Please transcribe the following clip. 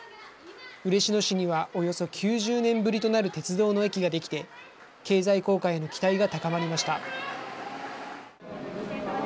嬉野市にはおよそ９０年ぶりとなる鉄道の駅が出来て、経済効果への期待が高まりました。